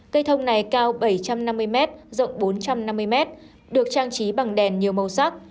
cây thông này cao bảy trăm năm mươi m rộng bốn trăm năm mươi m được trang trí bằng đèn nhiều màu sắc